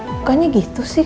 bukannya gitu sih